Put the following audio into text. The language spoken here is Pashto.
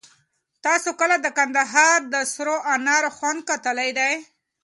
تاسو کله د کندهار د سرو انار خوند کتلی دی؟